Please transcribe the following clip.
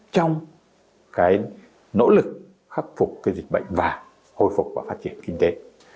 trong nỗ lực khắc phục dịch bệnh và hồi phục và phát triển kinh tế